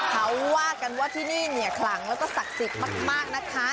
เขาว่ากันว่าที่นี่เนี่ยขลังแล้วก็ศักดิ์สิทธิ์มากนะคะ